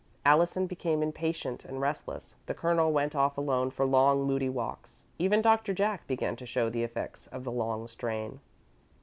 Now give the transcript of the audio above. Allison became impatient and restless, the Colonel went off alone for long, moody walks; even Doctor Jack began to show the effects of the long strain.